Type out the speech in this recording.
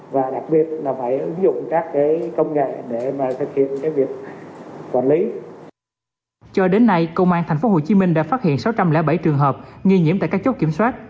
cho đến nay công an tp hcm đã phát hiện sáu trăm linh bảy trường hợp nghi nhiễm tại các chốt kiểm soát